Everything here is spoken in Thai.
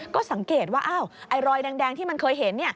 ก็สังเกตว่ารอยแดงที่มันเคยเห็น